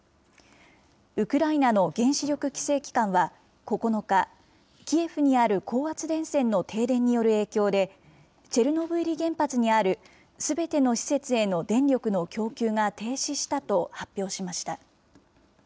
ウクライナの原子力規制機関は９日、キエフにある高圧電線の停電による影響で、チェルノブイリ原発にあるすべての施設への電力の供給が停止したと発表しました。